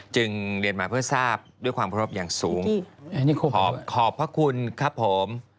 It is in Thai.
จึงเรียนมาเพื่อทราบด้วยความเคารพอย่างสูงขอบพระคุณครับผม